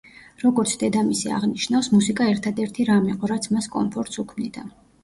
როგორც დედამისი აღნიშნავს, მუსიკა ერთადერთი რამ იყო, რაც მას კომფორტს უქმნიდა.